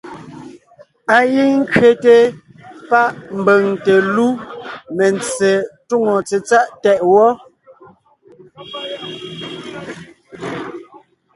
Á gíŋ ńkẅéte páʼ mbʉ̀ŋ te lú mentse túŋo tsetsáʼ tɛʼ wɔ́.